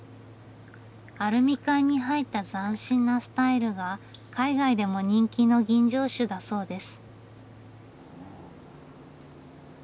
アルミ缶に入った斬新なスタイルが海外でも人気の吟醸酒だそうです。